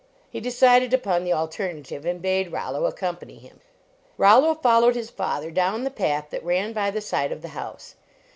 He decided upon the alternative and bade Rollo accompany him. Rollo followed his father down the path that ran by the side of the house.